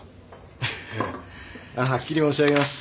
フフッはっきり申し上げます。